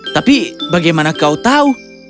tapi bagaimana kau tahu